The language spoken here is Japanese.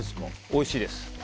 おいしいです。